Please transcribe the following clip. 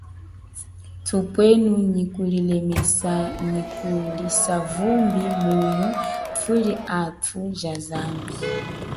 Thupwenu nyi kulilemesa nyi kulisa vumbi mumu thuli athu ja zambi.